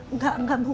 enggak enggak bu